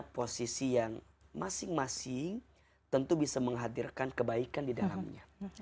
posisi yang masing masing tentu bisa menghadirkan kebaikan di dalamnya